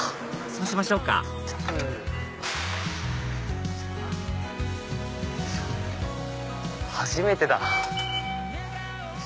そうしましょうか初めてだ。